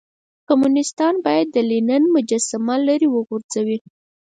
کمونيستان بايد د لينن مجسمه ليرې وغورځوئ.